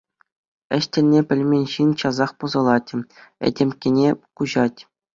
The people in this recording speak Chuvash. Ĕç тӗлне пӗлмен ҫын час пӑсӑлать, этемккене куҫать.